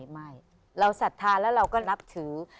ไม่เราสัทธาแล้วเราก็นับถือ